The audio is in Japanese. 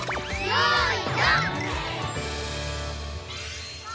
はい。